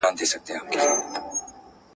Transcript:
د ښځو تعلیم د اسلامي تمدن برخه ده.